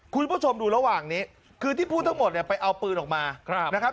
คุณผู้ชมดูระหว่างนี้คือที่พูดทั้งหมดเนี่ยไปเอาปืนออกมานะครับ